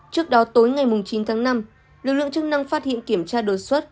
trước đó tối ngày chín tháng năm lực lượng chức năng phát hiện kiểm tra đột xuất